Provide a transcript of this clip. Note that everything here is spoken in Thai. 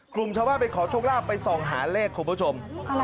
กลุ่มชาวบ้านไปขอโชคลาภไปส่องหาเลขคุณผู้ชม